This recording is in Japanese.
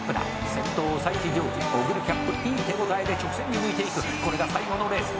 先頭オサイチジョージ」「オグリキャップいい手応えで直線に向いていく」「これが最後のレース。